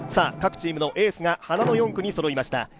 各チームのエースが花の４区にそろいました。